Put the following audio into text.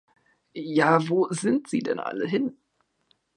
Ja wo sind sie denn alle hin?